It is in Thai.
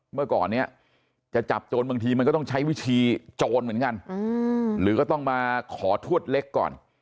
เมื่อก่อนเนี่ยจะจับโจรบางทีมันก็ต้องใช้วิธีโจรเหมือนกันหรือก็ต้องมาขอทวดเล็กก่อน